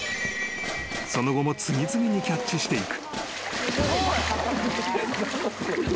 ［その後も次々にキャッチしていく］